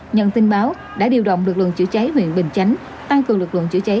nhận tin báo đã điều động lực lượng chữa cháy huyện bình chánh tăng cường lực lượng chữa cháy